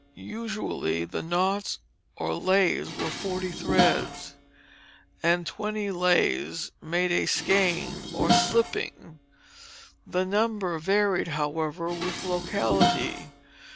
Usually the knots or lays were of forty threads, and twenty lays made a skein or slipping. The number varied, however, with locality.